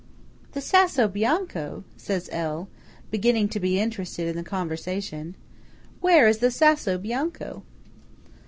"The Sasso Bianco!" says L., beginning to be interested in the conversation. "Where is the Sasso Bianco?"